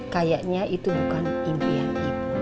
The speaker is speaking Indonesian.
kayaknya itu bukan impian ibu